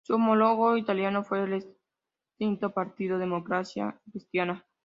Su homólogo italiano fue el extinto partido Democracia Cristiana.